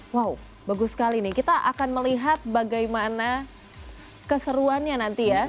wow bagus sekali nih kita akan melihat bagaimana keseruannya nanti ya